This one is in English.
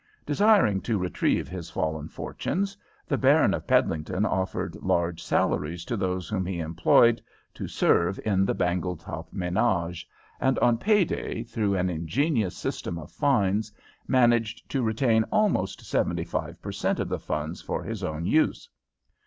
Desiring to retrieve his fallen fortunes, the Baron of Peddlington offered large salaries to those whom he employed to serve in the Bangletop menage, and on payday, through an ingenious system of fines, managed to retain almost seventy five per cent of the funds for his own use.